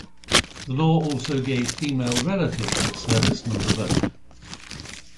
The law also gave female relatives of servicemen the vote.